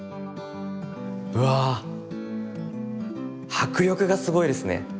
迫力がすごいですね。